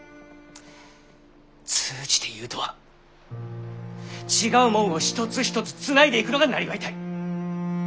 通詞ていうとは違うもんを一つ一つつないでいくのがなりわいたい。